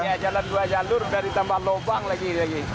iya jalan dua jalur sudah ditambah lubang lagi lagi